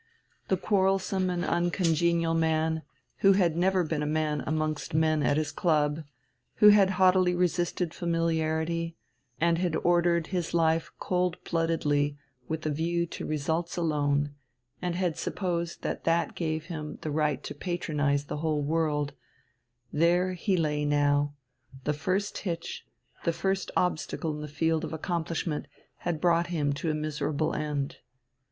The quarrelsome and uncongenial man, who had never been a man amongst men at his club, who had haughtily resisted familiarity, and had ordered his life cold bloodedly with a view to results alone, and had supposed that that gave him the right to patronize the whole world there he lay now: the first hitch, the first obstacle in the field of accomplishment, had brought him to a miserable end.